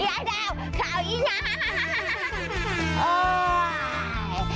ไอ้ไอ้แดวขาวอีน้า